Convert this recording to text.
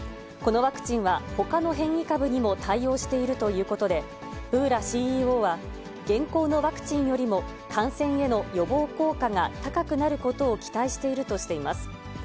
このワクチンはほかの変異株にも対応しているということで、ブーラＣＥＯは、現行のワクチンよりも感染への予防効果が高くなることを期待しているとしています。